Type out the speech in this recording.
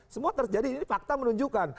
semua terjadi ini fakta menunjukkan